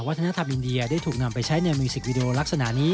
วัฒนธรรมอินเดียได้ถูกนำไปใช้ในมิวสิกวิดีโอลักษณะนี้